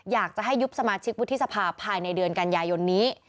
อยากจะให้ยุบสมาชิกวุฒิสภาภายในเดือนกันยายนนี้